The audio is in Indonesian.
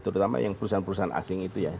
terutama yang perusahaan perusahaan asing itu ya